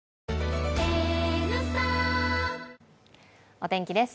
お天気です